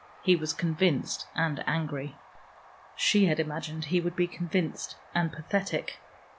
He was convinced and angry: she had imagined he would be convinced and pathetic.